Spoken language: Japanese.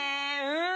うん。